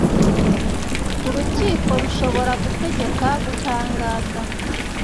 Urukiko rushobora gutegeka gutangaza